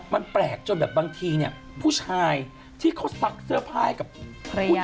มันแปลกจนแบบบางทีผู้ชายที่เค้าซักเสื้อผ้าให้กับผู้หญิงหรือภรรยา